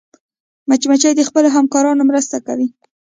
مچمچۍ د خپلو همکارانو مرسته کوي